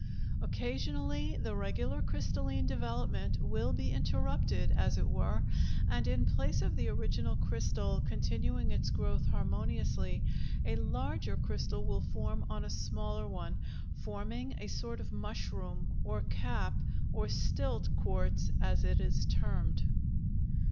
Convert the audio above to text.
Occasionally the regular crystalline development will be interrupted, as it were, and in place of the original crystal continuing its growth harmoniously, a larger crystal will form on a smaller one, forming a sort of mushroom, or "cap," or "stilt" quartz, as it is termed.